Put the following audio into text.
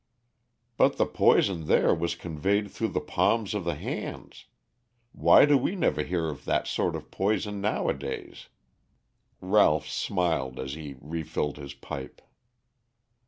"But the poison there was conveyed through the palms of the hands. Why do we never hear of that sort of poison nowadays?" Ralph smiled as he refilled his pipe.